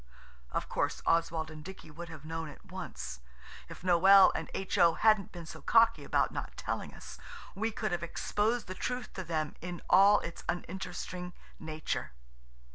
Of course Oswald and Dicky would have known at once; if Noël and H.O. hadn't been so cocky about not telling us, we could have exposed the truth to them in all its uninteresting nature.